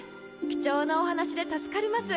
貴重なお話で助かります。